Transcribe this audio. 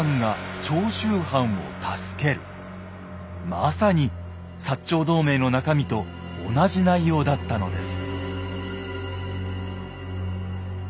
まさに長同盟の中身と同じ内容だったのです。